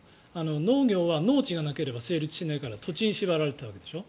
農業は農地がなければ成立しないから土地に縛られていたわけでしょ。